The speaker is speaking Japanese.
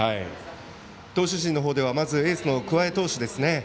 投手陣の方ではエースの桑江投手ですね。